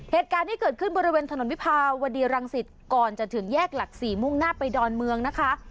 เหตุการณ์ที่เกิดขึ้นบริเวณถนนวิภาวดีรังสิตก่อนจะถึงแยกหลัก๔มุ่งหน้าไปดอนเมืองนะคะ